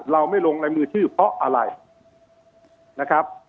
เราไม่ลงในมือชื่อเพราะอะไรนะครับ